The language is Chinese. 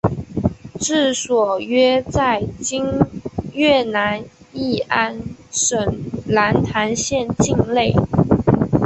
治所约在今越南乂安省南坛县境内。